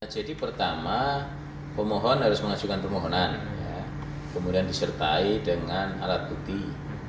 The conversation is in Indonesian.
jadi pertama pemohon harus mengajukan permohonan kemudian disertai dengan alat putih